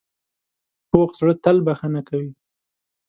پوخ زړه تل بښنه کوي